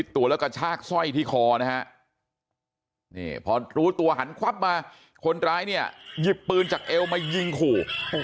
ตอนรู้ตัวหันควับมาคนร้ายเนี่ยหยิบปืนจากเอวมายิงขู่